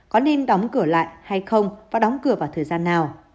có nên đóng cửa lại hay không và đóng cửa vào thời gian nào